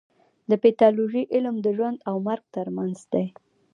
د پیتالوژي علم د ژوند او مرګ ترمنځ دی.